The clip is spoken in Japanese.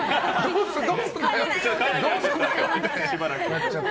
どうすんだよ！って。